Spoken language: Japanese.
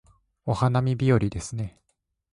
お花見日和ですね